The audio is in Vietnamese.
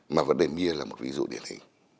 mà vẫn đềm nhiên là một ví dụ điển hình